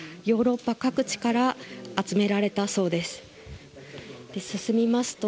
ヨーロッパ各地から集められたそうです。